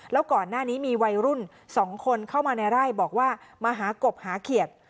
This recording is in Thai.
แล้วก่อนหน้านี้มีวัยรุ่น๒คนเข้ามาในไร่บอกว่ามาหากบหาเขียด